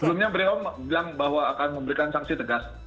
sebelumnya beliau bilang bahwa akan memberikan sanksi tegas